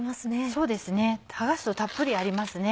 そうですね剥がすとたっぷりありますね。